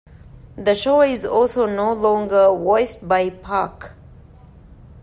The show is also no longer voiced by Pak.